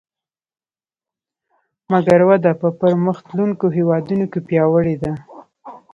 مګر وده په پرمختلونکو هېوادونو کې پیاوړې ده